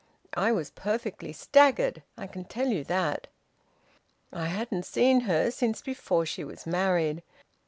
I was perfectly staggered I can tell you that. I hadn't seen her since before she was married.